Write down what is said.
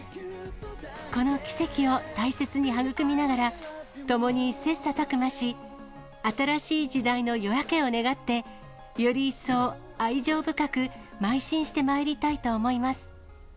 この奇跡を大切に育みながら、共に切さたく磨し、新しい時代の夜明けを願って、より一層愛情深くまい進してまいりたいと思います。